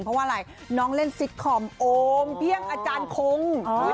เพราะว่าอะไรน้องเล่นซิกคอมโอมเพียงอาจารย์คง